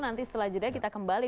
nanti setelah jeda kita kembali